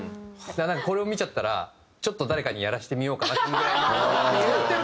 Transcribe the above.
なんかこれを見ちゃったらちょっと誰かにやらせてみようかなこのぐらいのっていう。